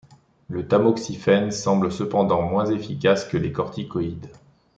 Le tamoxifène semble cependant moins efficace que les corticoïdes.